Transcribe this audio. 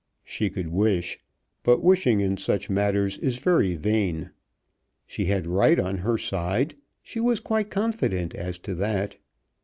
She could wish; but wishing in such matters is very vain. She had right on her side. She was quite confident as to that.